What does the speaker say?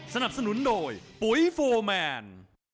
สนับสนุนโดยปุ๋ยโฟร์แมน